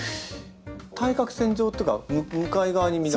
対角線上というか向かい側にみんな。